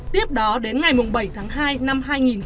tiếp đó đến ngày bảy tháng hai năm hai nghìn hai mươi